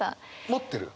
持ってる？